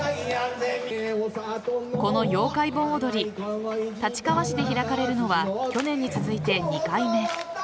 この妖怪盆踊り立川市で開かれるのは去年に続いて２回目。